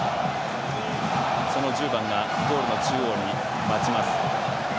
その１０番がゴールの中央で待ちます。